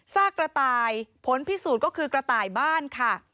ซากกระต่ายผลพิสูจน์ก็คือกระต่ายบ้านค่ะ